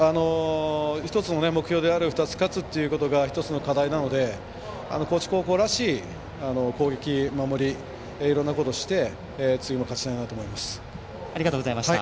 １つの目標である２つ勝つことが課題なので高知高校らしい攻撃、守り、いろんなことをしてありがとうございました。